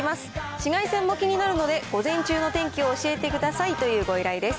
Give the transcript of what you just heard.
紫外線も気になるので、午前中の天気を教えてくださいというご依頼です。